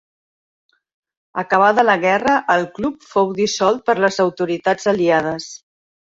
Acabada la Guerra, el club fou dissolt per les autoritats aliades.